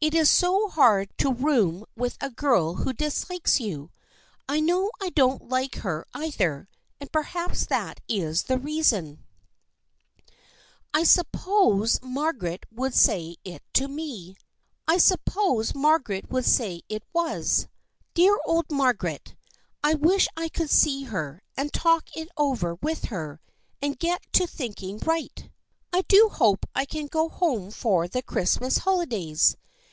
It is so hard to have to room with a girl who dislikes you. I know I don't like her either, and perhaps that is the reason. I suppose Margaret would say it was. Dear old Margaret ! I wish I could see her, and talk it over with her, and get to thinking right ! I do hope I can go home for the Christmas holidays